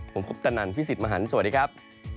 ผมคุปตะนันพี่สิทธิ์มหันฯสวัสดีครับ